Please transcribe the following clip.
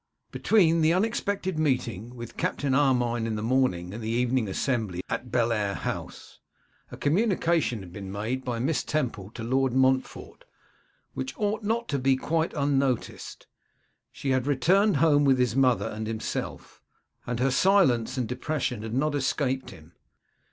BETWEEN the unexpected meeting with Captain Armine in the morning and the evening assembly at Bellair House, a communication had been made by Miss Temple to Lord Montfort, which ought not to be quite unnoticed. She had returned home with his mother and himself, and her silence and depression had not escaped him.